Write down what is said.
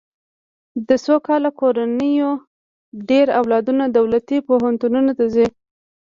د سوکاله کورنیو ډېر اولادونه دولتي پوهنتونونو ته ځي.